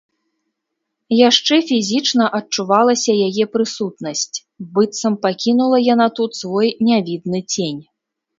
Яшчэ фізічна адчувалася яе прысутнасць, быццам пакінула яна тут свой нявідны цень.